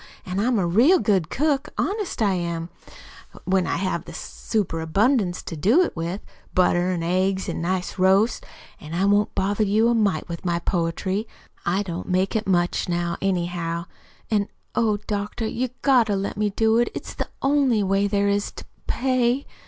An' I'm a real good cook, honest I am, when I have a super abundance to do it with butter, an' eggs, an' nice roasts. An' I won't bother you a mite with my poetry. I don't make it much now, anyhow. An' oh, doctor, you've GOT to let me do it; it's the only way there is to p pay."